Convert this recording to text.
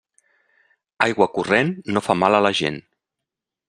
Aigua corrent no fa mal a la gent.